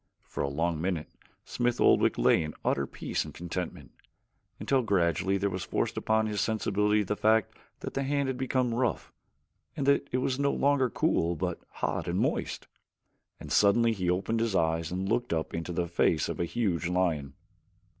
For a long minute Smith Oldwick lay in utter peace and content until gradually there was forced upon his sensibilities the fact that the hand had become rough, and that it was no longer cool but hot and moist; and suddenly he opened his eyes and looked up into the face of a huge lion.